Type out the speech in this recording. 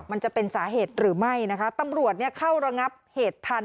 มันจะเป็นสาเหตุหรือไม่นะคะตำรวจเนี่ยเข้าระงับเหตุทัน